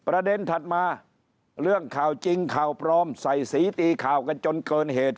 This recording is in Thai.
ถัดมาเรื่องข่าวจริงข่าวปลอมใส่สีตีข่าวกันจนเกินเหตุ